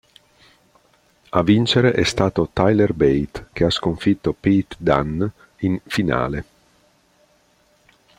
A vincere è stato Tyler Bate, che ha sconfitto Pete Dunne in finale.